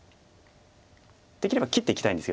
できれば切っていきたいんです。